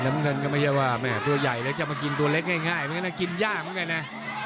เดี๋ยวนั้นก็ไม่ใช่ว่าตัวใหญ่ละจะมากินตัวเล็กง่ายมันน่ากินย่าเหมือนกันนะ